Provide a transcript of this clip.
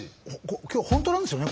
今日ホントなんですよね？